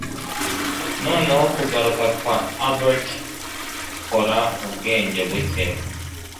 Noneho kugaruka kwa Albert kora ubwenge buke